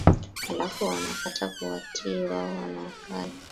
halafu anakata kuwatii wao anawakai